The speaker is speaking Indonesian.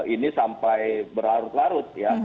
ini sampai berlarut larut